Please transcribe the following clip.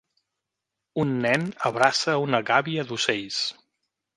Un nen abraça una gàbia d'ocells.